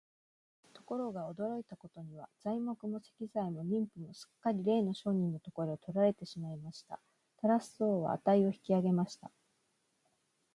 ところが、驚いたことには、材木も石材も人夫もすっかりれいの商人のところへ取られてしまいました。タラス王は価を引き上げました。